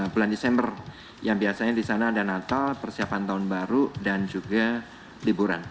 bulan desember yang biasanya di sana ada natal persiapan tahun baru dan juga liburan